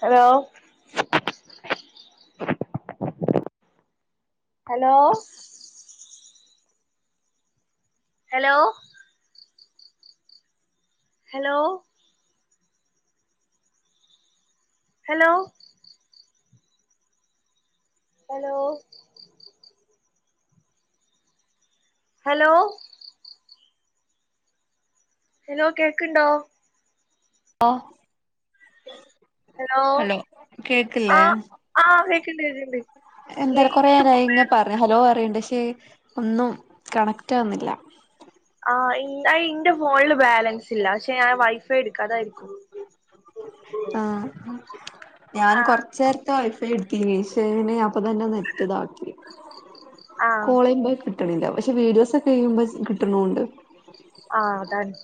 Hello hello hello hello hello hello hello hello കേക്ക്‌ണ്ടോ? ഒഹ് hello ആഹ്, ആഹ് കേക്ക്‌ണ്ട് കേക്ക്‌ണ്ട് എന്താണ് കൊറെനേരായി ഇങ്ങ പറയ ഹലോ അറിയണ്ട് പക്ഷെ ഒന്നും കണക്റ്റ് ആവുന്നില്ല. ആഹ് ഇന്റെ ഫോണില് ബാലൻസ് ഇല്ല പക്ഷെ ഞാൻ വൈഫൈ എടുക്കാഅതായിരിക്കും. ആഹ് ഞാന് ആഹ് കൊർച്ചേർത്തെ വൈഫൈ എടുത്തിനി പക്ഷേ അപ്പതെന്നെ നെറ്റ് ഇതാക്കി. ആഹ് കോളെയ്യുമ്പോൾ കിട്ട്ണ്ല്ല പക്ഷെ വീഡിയോസൊക്കെ ചെയ്യുമ്പോ കിട്ട്ണൂണ്ട്. ആഹ് അതാണ്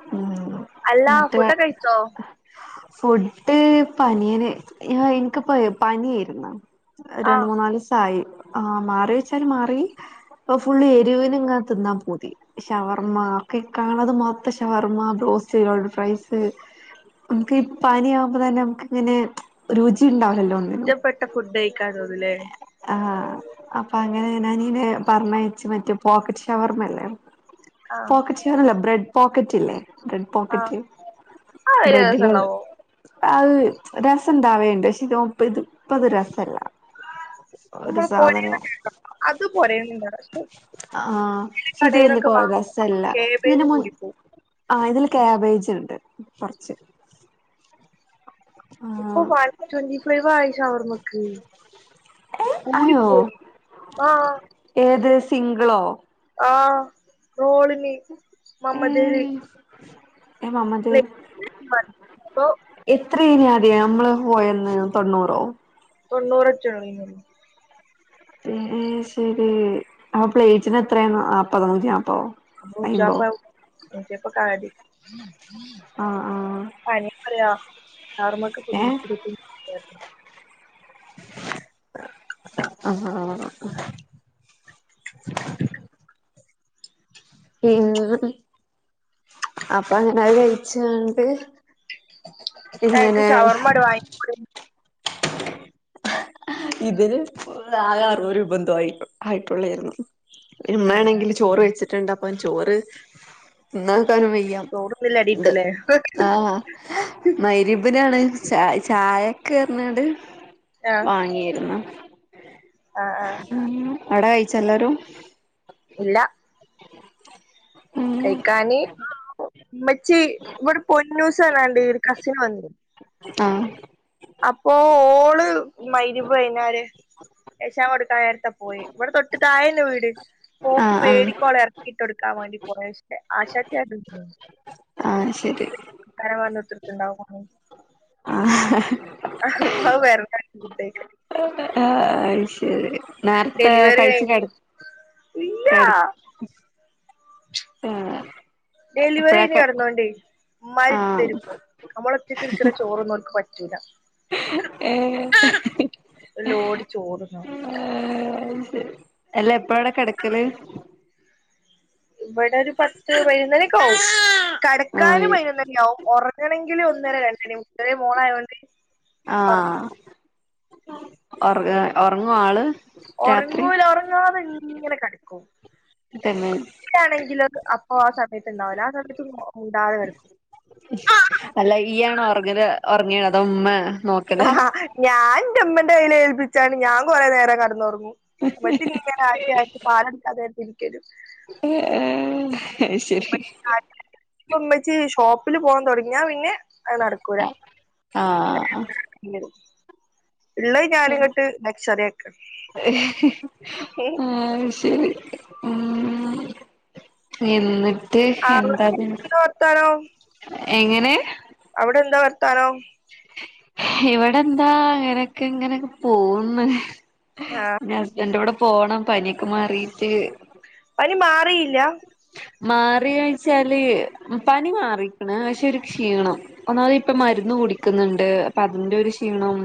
ഉം അല്ലാ എന്നിട്ട് ഫുടൊക്കെ കഴ്‌ച്ചോ? ഫുഡ് പനിയന് ഹാ എനിക്ക്പ്പോ പനിയായിരുന്നു. രണ്ട് ആഹ് മൂന്നാലുസായി ആ മാറിയോയ്ച്ചാൽ മാറി. ഇപ്പൊഫുള് എരുവിന് ഇങ്ങനെതിന്നാൻ പൂതി. ഷവർമ്മഒക്കെ കാണത് മൊത്തം ഷവർമ്മ, ബ്രോസ്റ്റ്, ലോടെട്ഫ്രെസ് ഇൻക്ക് ഇപാനിയാമ്പോതെന്നെ ന്നമുക്ക് ഇങ്ങനെ രുചി ഉണ്ടാവില്ലല്ലോ ഒന്നിനും ഇഷ്ടപ്പെട്ട ഫുഡയ്‌ക്കാൻ തോന്നുലെ ആഹ് അപ്പഅങ്ങനെ ഞാനനിയനെ പറഞ്ഞയച്ച് മറ്റേ പോക്കറ്റ് ഷവർമല്ലേ ആഹ് പോക്കറ്റ്ഷവർമഅല്ല ബ്രെഡ് പോക്കറ്റ് ഇല്ലേ ബ്രെഡ് ആഹ് പോക്കറ്റ് ആ ഒരു രസം ബ്രെഡ്ല് ഉണ്ടാവോ അത് രെസണ്ടാവല്ണ്ട് പക്ഷെ ഇത് മുപ്പത് ഇപ്പത് രെസല്ല. ഒര് നമ്മള് സാധനോം പൊരേന്ന് ഇണ്ടാക്ക അത് പൊരേന്നില്ല പശെ [unintelligible] ആഹ് പക്ഷെ ഇത് വല്ല്യാപോര രെസെല്ല കേബേജ് ഇതിന് മുൻ കൂടിപ്പോവും ആഹ് ഇതില് ക്യാബേജ് ഇണ്ട് കൊർച്ച്. ഇപ്പൊ ഫൈവ് ട്വന്റിി ഫൈവായി ശവർമ്മക്ക്. ഏഹ് അയോ കൂടിപ്പോയി ആഹ് ഏത് സിങ്ക്ളോ? ആഹ് റോളിന് മമതില് എ മമത് ഇ ഇപ്പൊ എത്രേനു ആദ്യം ന്നമ്മള് പോയന്ന് തൊണ്ണൂറോ? തൊണ്ണൂറെറ്റെയിന്നു എഹെ ശെരി അപ്പൊ പ്ലേയ്റ്റിന് എത്രേ ന്നാപ്പതോ, ന്നൂറ്റിന്നാപ്പോ തോ അപോന്നൂറ്റിന്നാപ്പ് ന്നൂറ്റിമുപ്പത് ഒക്കാണ്കെരുതി. ആഹ് ആഹ് ഏഹ് [unintelligible] ആഹാ, അഹ് പിന്നെ അപ്പഅങ്ങനെത് കഴ്‌ച്ചാണ്ട് എനിക്ക് എങ്ങനെ? ഷവർമ്മട് വാങ്ങിക്കൂടെ ഹ ഇതിൽ ആകെ അറുപതു രൂപ എന്തോ ആയിട്ടുള്ളായിരുന്നു ആഹ് ആഹ് മ്മേണെങ്കില് ചോറ് വെച്ചിട്ടുണ്ട് അപ്പൊ ചോറ് തിന്നക്കാനും വയ്യ യ്യ ചോറ്ന്നില്ലടി ഉണ്ട് ഇട്ടൂലേ ആഹ് മയ്രിബിനാണ് ച ചായൊക്ക് ന്ന് റിഞ്ഞാ ണ്ട് ആഹ വാങ്ങിയിരുന്നു ആഹ് ആഹ് ഉ അട കഴിച്ചല്ലാരും? ഇല്ല ഉം കാൻ ഉമ്മച്ചി ഇവിടെ പൊന്നൂസ് റഞ്ഞാണ്ട് ഒരു കസിന് വന്നിനു ആഹ അപ്പോൊ ഓള് മഹരിപ്ഞ്ഞാല് എശാങ്കടുക്കാനേരത്താ പോ പോയെ ഇവിടെ തൊട്ട് തായന്നെ വീട് ഓക്ക് ആഹ് ആഹ് പേടിക്കോള എറക്കിട്ട്ടുക്കാൻ വേണ്ടി പോയ ക്ഷെ ആശ [unintelligible] ആഹ് ശരി [unintelligible] ഇണ്ടാവും ആഹ് എന്നാ വെറ്തേ [unintelligible] ആഹ് ശരി നേരത്തെ ഡെലിവറി കഴിച്ചു കഴിഞ്ഞ് ഇല്ല കടകേട് പിന്നെ ഡെലിവറി കയിഞ്ഞ് കിടന്നോണ്ടേ മ്മ് ആഹ് മരുട്ത്തെരിപ്പം നമ്മള ഒറ്റക്ക് ഇടുക്കുന്ന ചോറൊന്നും ഓല്ക് പറ്റ റ്റൂല ഏഹ് ഒരു ലോഡ് ചോറുണ്ണും ഏഹ് അല്ല എപ്പായഅവ്ടെ കിടക്കല്? ഇവിടെ ഒരു പത്ത് പതിനൊന്നുമണിയൊക്കെയവും കെടക്കാനും ആയി പൈനൊണിആകും ഉറങ്ങണമെങ്കിൽ ഒന്നര രണ്ട ണി മുന്നണി ചെറിയ മോണ ആയൊണ്ട് കൊണ്ട് ആഹ് ഒറ ഒറങ്ങും ആള്? രാത്രി ഒറങ്ങൂല ഒറങ്ങാതെ ഇങ്ങനെ കടിക്കും തന്നെ ആണെങ്കിൽ അപ്പൊ ആ സമയത്ത് ഉണ്ടാവുല്ല ആ സമയത്ത് കൂടാതെ കേടകും അല്ല ഇയാണോ ഉറങ്ങൽ ഉറങ്ങിയണ അത ഉമ്മ നോക്ക ആ ഞാൻ എന്റെമ്മന്റെ കയ്ൽ ഏൽപ്പിച്ചാണ് ഞാൻ കൊറെേ നേരം കേട്ന്നുറങ്ങു ഇമ്മച്ചി ഇങ്ങനെ ആട്ടി ആട്ടി പാലോടുക്കാൻ നേരത്ത് ന്കതരു ഏഹ് അഹ് ശരി പ്പം മ്മച്ചി ഷോപ്പില് പോവാൻ തൊടങ്ങിയാ പിന്നെഅത് നടക്കൂല ആഹ് അത് ഇ ള്ള ഞാനങ്ങോട്ട് ലക്ഷറിആക്കെണ് ഉം ശരി ഉം എന്നിട്ട് എന്താപിന്നെ വർത്താനം എങ്ങനെ? അവിടെ എന്താ വർത്താനം ഇവിടെ എന്താ അങ്ങനൊക്കെ ഇങ്ങനൊക്കെ പോവുന്നെ ആ ഹസ്ബൻഡൂടെ പോണം പനിയൊക്കെ മാറിട്ട് പനി മാറിയില്ല മാറിയഴച്ചാല് പനി മാറിക്കണ് പക്ഷെ ഒരു ക്ഷീണം ഒന്നാമത് ഇപ്പ മരുന്ന് കുടിക്കുന്നുണ്ട് അപ്പൊ അതിന്റെ ഒരു ക്ഷീണം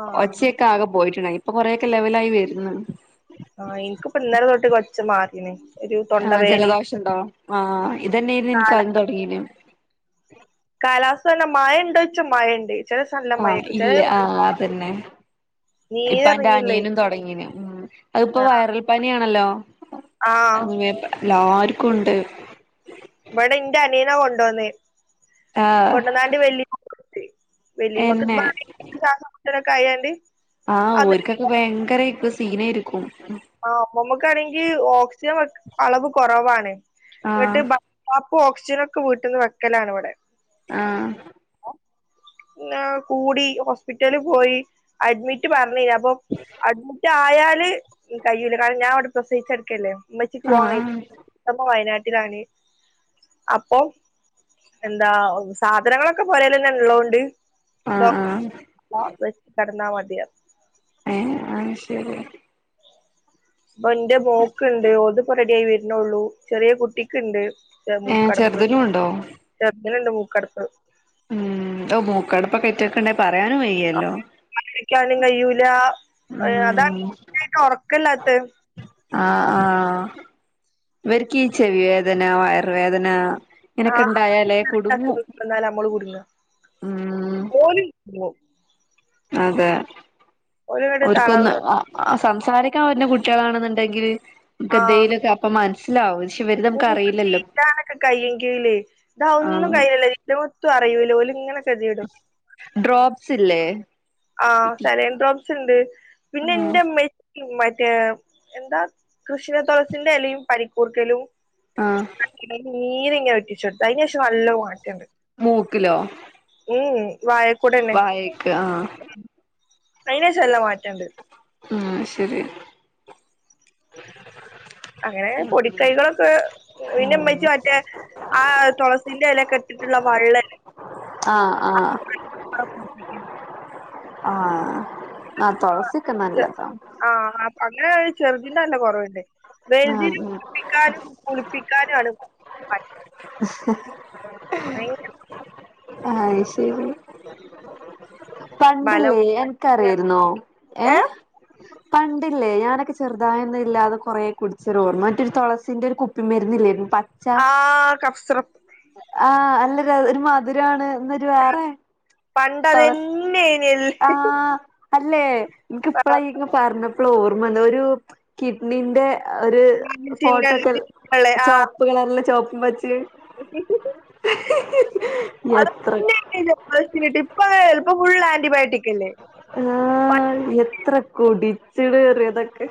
ആ ഒച്ചയൊക്കെ ആകെ പോയിട്ടുണ്ടായിനിഇപ്പൊ കൊറൊക്കെ ലെവലായി വരുന്നു ആഹഹ് എനിക്കിപ്പ ഇന്നലെ തൊട്ട ച്ച മറീന്ന് ആ ജലദോഷം ഉണ്ടോ ആ ഇതനെയ ആരുന്നു നിക്ക് കാല ആദ്യ തുടങ്ങീന കാലാവസ്ഥ തന്നെ മഴ ഉണ്ടോയ്ച്ച മഴുണ്ട്. ചെലേസം നല്ല മഴേയ്കും ചെലെ സമ ആതന്നെ ഇപ്പ എന്റെ നീരെറങ്ങില്ലേ അനിയനും തുടങ്ങീന് ഉം അതിപ്പോ ആ വയറൽ പനിയണല്ലോ ആ അങ്ങ എല്ലാർക്കും ഉണ്ട്. ഇവിടെ ഇന്റെ അനിയന കൊണ്ടുവന്നേ? ആഹ് കൊണ്ടന്നാണ്ട് വല്യമ്മകുട്ച്ച് വല്യമ്മക് എന്നെ ഭയങ്ക ക് സാസമുട്ടലായണ്ട് ആഹ് ഓർക്കൊക്കെ ഭയങ്കര ഇപ്പ സീനായിരിക്കും. ആ മ്മമ്മക്കാണെങ്കിൽ ഓക്സിജൻ വെ അളവ് കുറവാണ് എന്നിട്ട് ആഹ് ഭ അപ്പൊ ഓക്സിജന ഒക്കെ വീട്ടുന്ന് വെക്കലാണ് ഇവിടെ. ആഹ് പിന്നെ കൂടി ഹോസ്പിറ്റലി പോയി. അഡ്മിറ്റ് പറഞ്ഞേനി അപ് അ അഡ്മിറ്റ് ആയാല് കഴൂല്ല കാരണം ഞാൻ അവിടെ പ്രസവിച്ചെടുക്കല്ലേ? മച്ചിക്ക് പോവാ ആഹ് ന്റമ്മ വയനാട്ടിലാണ് അപ്പൊ എന്താ സാധനങ്ങളൊക്കെ പൊരേലെന്നെ ഉള്ളോ ണ്ട് ആഹ് ആഹ് ആഹ് ഡോക്ട വെ കടന്നാൽ മതിയ? ഏ അയ് ശരി. പ്പൊ എന്റെ മോക്ക്ണ്ട് ഓൾത്പ്പോ റെഡിയായി വരണുള്ളൂ. ചെറിയ കുട്ടിക്ക്ണ്ട് ഏഹ് മൂക്കടപ്പ് ചെറുതിനും ഉണ്ടോ ചെർത്നണ്ട് മൂക്കടപ്പ്. ഉം, ഓ മൂക്കടപ്പൊ കെ ഏറ്റ്ട്ട്ണ്ടെങ്ങി പറയാനും കയ്യ് [unintelligible] ഴിക്കാനും കഴൂല, ഉം അതാണ് കുച്ചട്ട ഉറക്കല്ലാത്തെ. ആഹ ആഹ, ഇവർക്ക് ഈ ചെവി വേദന, വയർുവേദന, [unintelligible] നമ്മൾ കുടുങ്ങും.. ഉം ഓല് [unintelligible] അതെ, ഓല്ങ്ങട്ട് തളർ ഓര്ക്കൊന്ന് ആ സംസാരിക്കാൻ പറ്റുന്ന കുട്ടികളാണെന്നുണ്ടെങ്കില് ആഹ് നമുക്ക്ന്തെയിലക്കെ മൂക്ക് ചീറ്റാനൊക്കെ കയ്യങ്കില് ഇത് അതൊന്നും ആ കഴിയൂലല്ലോ ഒത്തും അറിയൂല. ഓല് ഇങ്ങനെ ഡ്രോപ്സ് ഇല്ലേ? ആഹ, സെലൻ ഡ്രോപ്പ്സ് ഉണ്ട്. പിന്നെ ആ എന്റെ ഇമ്മ മറ്റേ എന്താ കൃഷ്ണ തുളസിന്റെ ഇലയും പനിക്കൂർക്കലും ആ ന്റെ നീര് ഇങ്ങനെ ഉറ്റിച്ചെടുത്ത് അതിന് ശേഷം നല്ല മാറ്റണ്ട്. മൂക്കിലോ? ഏഹെ വായക്കൂടന്നെ വായക്ക് ആ അതീനേഷം നല്ല മാറ്റണ്ട്. ഉം. ശരി. അങ്ങനെ പൊടിക്കൈകളൊക്കെ പിന്നെ ഉമ്മച്ചി മറ്റേ ആഹ് തുളസിന്റെ ഇലൊക്കെ ഇട്ടിട്ടുള്ള വള്ളല്ലേ ആഹ് ആഹ് മക്കളെ കുളിപ്പിക്കി ആഹ ആ തുളസി ഒക്ക നല്ലതാ. ആഹ അപ്പൊ അങ്ങനെ ചെറുതിന് നല്ല കുറവുണ്ട്. ആ വെൽതിനെ കുളപ്പിക്കാനും കുളിപ്പിക്കാനും ആണ് [unintelligible] [unintelligible] ആഹഅത് ശരി. ബലം പണ്ടില്ലേ അൻക്കറിയരുന്നോ? ഏ ഏഹ് പണ്ടില്ലേ ഞാനൊക്കെ ചെറുതായൊന്ന ഇല്ലാത് കൊറേ കുടിച്ചരോർമ മറ്റൊരു തുളസിന്റെ ഒരു കു പ്പിമരുന്നില്ലായിരുന്നോ? പ ആ ഹ്. കഫ്സറപ്പ് ആഹ്, നല്ല ഒരു മധുരാണ്. ഇന്നൊരു വേറെ പണ്ടതന്നയിനിയല്ല ആഹ, അല്ലേ? നിക്ക് ആഹ് ഇപ്പള പറഞ്ഞപ്പോൾ ഓർമ്മല്ല ഒരു കിഡ്നിീന്റെ ഒരു ഫോട്ടോ ഒക്കെ ചുവപ്പ് കളറില ചുവപ്പും പച്ചിം [unintelligible] എത്ര ട്ട് ഇപ്പ ചപ്പോം ഫുൾ ആന്റിബയോട്ടിക് അല്ലേ ആഹ എത്ര കുടിച്ചിടറ തൊക്കെ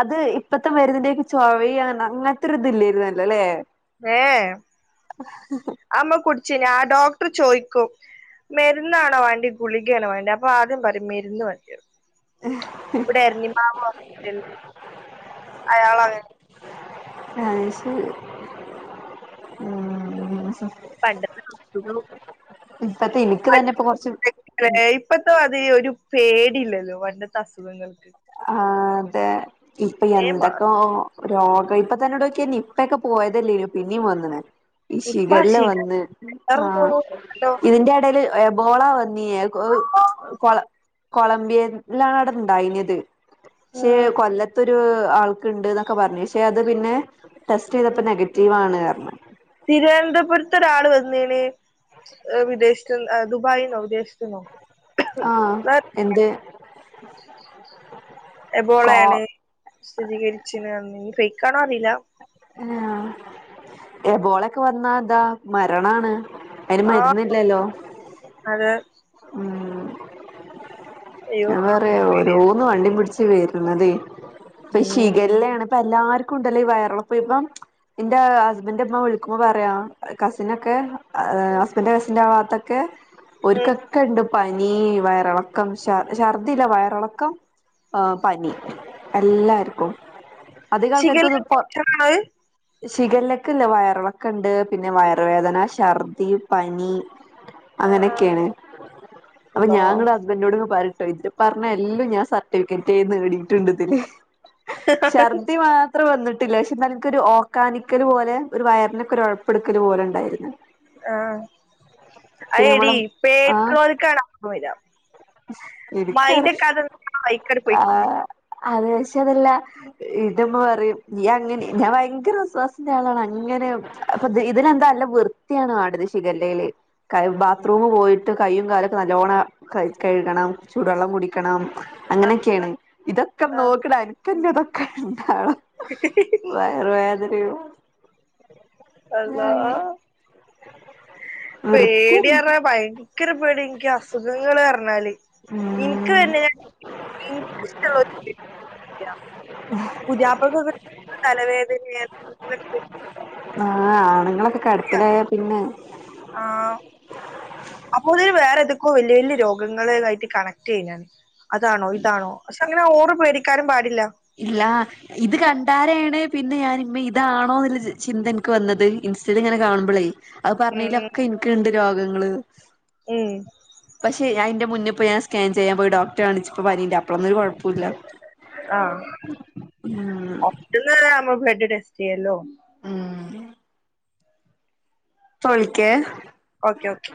അത് ഇപ്പത്തെ മ രുന്നിന്റെൊക്കെ ചോവ അങ്ങനത്തെ ഒരു ഇതില്ലായിരുന്നല്ലോ അല്ലേ ഏ അമ്മ കുടച്ച് ഞാൻ ഡോക്ടർ ചോയ്ക്കും മരുന്നാണോ വേണ്ടി ഗുളികയണോ വേണ്ടി അപ്പൊ ആദ്യം പറയും മരുന്ന് മതീന്ന് ഇവിടെ എരണിമാവ് ഹോസ്പിറ്റല അയാളങ്ങനെ ഫ്രാൻസ് ഉ പണ്ട അ ഇപ്പത്തെ എനിക്ക് തന്നെ ഇപ്പൊ [unintelligible] കൊറച്ച് ഇപ്പത്ത അത് ഒരു പേടില്ലല്ലോ പണ്ടത്തെ അസുഖങ്ങൾക്ക് ആ് അതെ ഇപ്പൊ വേ എന്തൊക്കെ മാറും രോഗം ഇപ്പ തന്നെോടോക്കി നിപക്കെ പോയതല്ലേ പിന്നീും വന്നേ ഈ ഇപ്പ ശിഗല്ല ശിഖർ വന്ന് ആ തോന്നുന്നുണ്ടല്ലോ ഇതിന്റെ ഇടൽ എബോള വന്ന് [unintelligible] കൊള കൊളംബിയയിലാണണ്ടായിനത് പക്ഷെ ഉം കൊല്ലത്തൊരു ആൾക്കുണ്ട് എന്നൊക്കെ പറഞ്ഞു പക്ഷെ അത് പിന്നെ ടെസ്റ്റ് ചെയ്തപ്പോ ഉം നെഗറ്റീവ് റ്റീവാണ്റ്ഞ്ഞ് തിരുവനന്തപുരത്ത് ഒരാൾ വന്ന് ണ് വിദേശത്തി ദുബായി ന്നോ വിദേശത്തി ന്നോ ആഹ എന്ത് എബോള കോ ആണ് സ്ഥിരീകരിച്ചിണ്റ്ഞ്ഞ് ഫേക്കണോ അറിയില്ല ആ എബോളൊക്കെ വന്നാ എന്താ മരണാണ് അയിന് ആഹ മരുന്നില്ലല്ലോ അതെ ഉം അയ്യോ ഞാൻ പറയാ ഓരോന്ന് വണ്ടി പിടിച്ച് വരുന്നത് ഇപ്പ ഉം ശിഖല്ലാണ് ഇപ്പ എല്ലാർക്കും ഉണ്ടല്ലോ ഈ വയറളപ്പ ഇപ്പം എന്റെ ഹസ്ബൻ്റേ അമ്മ വിളിക്കുമ്പോ പറയാ കസിനൊക്കെ ഹസ്ബൻന്റെ കസിറ്റന്റെ ആ ഭാത്തൊക്കെ ഉം ഒാര്ക്കൊക്കെ ഉണ്ട് പനി വയറിളക്കം. ർ ഛർദില്ല വയറിളക്കം പനി എല്ലാർക്കും അധികൾക്കാർക്ക് ശിഖല്ല ഇത് ഇപ്പൊ ഇൻഫെക്ഷനാണത് ശിഗലൊക്കെല്ല വയറളൊക്കെ ഉണ്ട് പിന്നെ വയറുവേദന ഛർദി പനി [inaudible] അങ്ങനെയൊക്കെയാണ് അപ്പൊ അള്ളാ ഞാ ങ്ങള ഹസ്ബൻറോട് പറിട്ടോ [unintelligible] പറഞ്ഞ എല്ലും ഞാൻ രിക്കറ്റ് നേടിയിട്ടുണ്ട്തില ശർദ് മാത്രം വന്നിട്ടില്ല പക്ഷെനക്ക് ഒരു ഓക്കാനിക്കല് പോലെ ഒരു വയറിനൊക്കെ ഒരു ഉഴപ്പെടുക്കൽ പോലെ ഉണ്ടായിരുന്നു. ആഹ അ പിന്നെ എടി നമ്മള് ആഹ് [unintelligible] വരാ എനിക്കറിയ മൈന്റെക്കെത നിന്നാ അയ്ക്കട് പോയിക്കോളും ആഹ് അത് പക്ഷെ അതെല്ല ഇത് മ്മ പറയും നീ അങ്ങനെ ഞാൻ ഭയങ്കര ഒസ് വാസിന്റെ ആളാണ് അങ്ങനെ അപ്പൊ ഇതിനന്താ അല്ല വൃത്തിയാണ് വാണ്ടത് ശിഖല്ലയില് കൈ ബാത്റൂം പോയിട്ട് കയ്യും കാലൊക്കെ നല്ലവോണം കഴുകണം ചൂടുവെള്ളം കുടിക്കണം അങ്ങനെയൊക്കെയാണ് ഇതൊക്കെ ആ നോക്കടാനും [unintelligible] [unintelligible] വയറുവേദനീം അള്ളാ വൃത്തിയന്നെ പേടിയാറ്ഞ്ഞ ഭയങ്കര പേടി ക്ക അസുഖങ്ങള് പറഞ്ഞാല് ഇന്ക്ക് ഉം തന്നെ ഞ ഇൻ ക്‌ഷ്ടള്ള [unintelligible] പുതിയാപ്ല കൊക്കെ തലവേദന [unintelligible] ആഹ് ആണുങ്ങളൊക്കെ കെടപ്പിലായ പിന്നെ ആ അപ്പൊതില് വേറെതക്കോ വലിയ വലിയ രോഗങ്ങള ആയിട്ട് കണക്ട് ചെയ്യാ അതാണോ ഇതാണോ പക്ഷെ അങ്ങനെ ഓറ് പേടിക്കാനും പാടില്ല. ഇല്ലാ ഇത് കണ്ടാരാണ് പിന്നെ ഞാനി മ്മേ ഇതാണോ എന്നുള്ള ചിന്ത ഇന്ക്ക് വന്നത് ഇൻസ്റ്റൽ ഇങ്ങനെ കാണുമ്പോളേയ് അത് ഉം പറഞ്ഞലൊക്കെ ഇന്ക്ണ്ട് രോഗങ്ങള് ഏ പക്ഷെ അയിന്റെ മുന്നി പോയി ഇപ്പോ ഞാ സ്കാൻ ചെയ്യാൻ പോയി ഡോക്ടറെ കാണിച്ചപ്പ പനി ല്ല അപ്പോഴൊന്നും ഒരു കെഴപ്പുല്ല. ആഹ് ഉം [unintelligible] ബ്ലഡ് ടെസ്റ്റ് ചെയല്ലോ ഉം പ്പൊ വിളിക്കെ ഓക്കെ ഓക്കേ